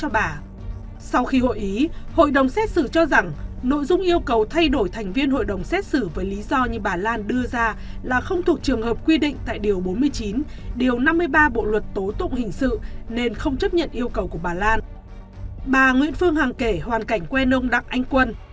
bà nguyễn phương hàng kể hoàn cảnh quen ông đắc anh quân